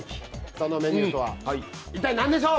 そのメニューとは一体何でしょう。